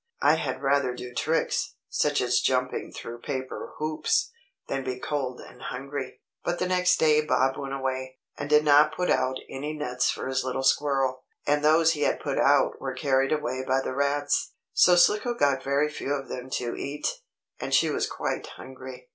I had rather do tricks, such as jumping through paper hoops, than be cold and hungry." But the next day Bob went away, and did not put out any nuts for his little squirrel. And those he had put out were carried away by the rats. So Slicko got very few of them to eat, and she was quite hungry.